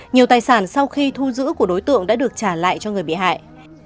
nhiều tài sản sau khi thu giữ của đối tượng đã được trả lại cho người bị hại